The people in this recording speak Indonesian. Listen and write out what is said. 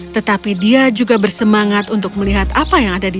tetapi dia juga bersemangat untuk melihat bounty